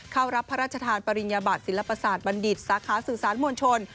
เข้ารับพระราชทานปริญญบัติศิลปศาสตร์บัณฑิตสาขาสื่อสารมวลชน